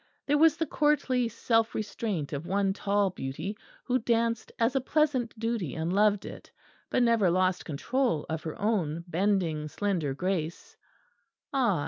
There was the courtly self restraint of one tall beauty, who danced as a pleasant duty and loved it, but never lost control of her own bending, slender grace; ah!